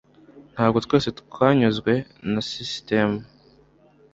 Ntabwo twese twanyuzwe na sisitemu.